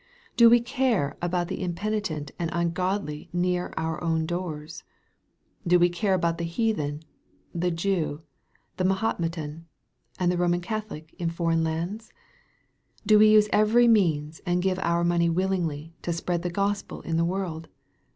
Do we care about the impenitent and ungodly near our own doors ? Do we care about the Heathen, the Jew, the Mahomet an, and the Roman Catholic in foreign lands ? Do we use every means, and give our money willingly, to spread the Gospel in the world